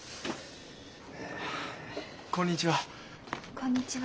こんにちは。